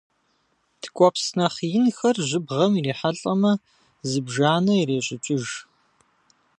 Ткӏуэпс нэхъ инхэр жьыбгъэм ирихьэлӏэмэ, зыбжанэ ирещӏыкӏыж.